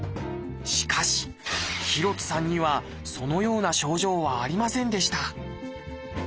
しかし廣津さんにはそのような症状はありませんでした。